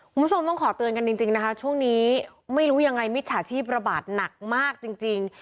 คุณผู้ชมต้องขอเตือนกันจริงนะคะช่วงนี้ไม่รู้ยังไงมิจฉาชีพระบาดหนักมากจริง